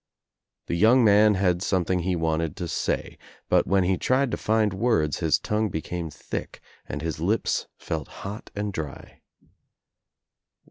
The young man had something he wanted to say, but when he tried to find words his tongue became thick and his lips felt hot and dry.